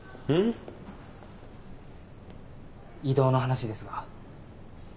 ん？異動の話ですが。